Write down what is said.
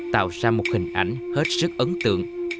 tạo ra một hình ảnh hết sức ấn tượng